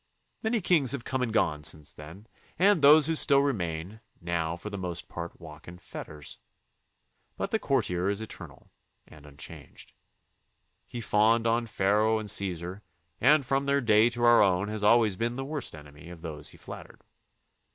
Many kings have come and gone since then, and those who still remain, now for the most part walk in fetters. But the courtier is eternal and unchanged. He fawned on Pharaoh and C2esar and from their day to our own has always been the worst enemy of those he flattered.